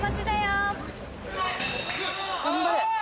頑張れ。